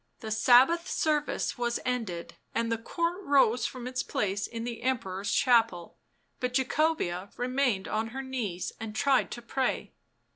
The Sabbath service was ended, and the Court rose from its place in the Emperor's chapel, but Jacobea remained on her knees and tried to pray.